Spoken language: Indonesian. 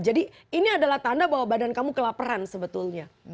jadi ini adalah tanda bahwa badan kamu kelaperan sebetulnya